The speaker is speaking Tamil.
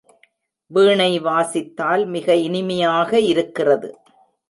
வீணை வாசித்தால் மிக இனிமையாக இருக்கிறது.